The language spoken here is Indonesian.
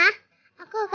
sampai ketemu ya mama